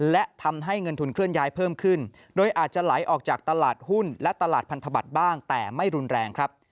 และทำให้เงินทุนเคลื่อนย้ายเพิ่มขึ้นโดยอาจจะไหลออกจากตลาดหุ้นและตลาดพันธบัตรบ้างแต่ไม่รุนแรงครับ